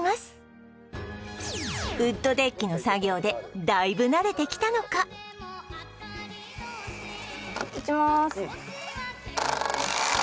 ウッドデッキの作業でいきます。